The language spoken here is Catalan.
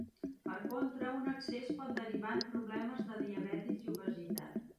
Per contra, un excés pot derivar en problemes de diabetis i obesitat.